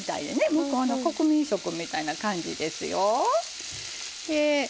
向こうの国民食みたいな感じですよ。